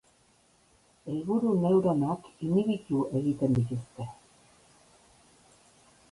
Helburu neuronak inhibitu egiten dituzte.